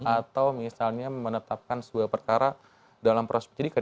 atau misalnya menetapkan sebuah perkara dalam proses penyidikan